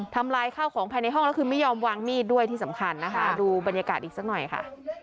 ลายข้าวของภายในห้องแล้วคือไม่ยอมวางมีดด้วยที่สำคัญนะคะดูบรรยากาศอีกสักหน่อยค่ะ